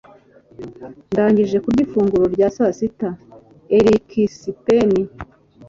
Ndangije kurya ifunguro rya sasita. (erikspen)